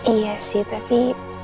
iya sih tapi